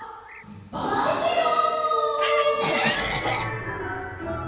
バイケロン！